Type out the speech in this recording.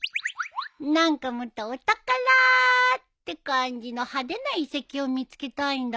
何かもっとお宝！って感じの派手な遺跡を見つけたいんだけどなぁ。